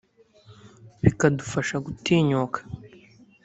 bikadufasha gutinyuka”